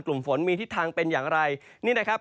กลุ่มฝนมีทิศทางเป็นอย่างไรนี่นะครับ